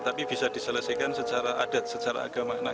tapi bisa diselesaikan secara adat secara agama